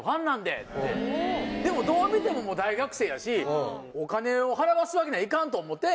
でもどう見ても大学生やしお金を払わすわけにはいかんと思うて。